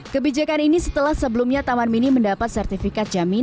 kebijakan ini setelah sebelumnya taman mini mendapat sertifikat jaminan